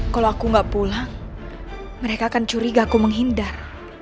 kalau aku nggak pulang mereka akan curiga aku menghindar